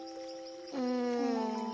うん。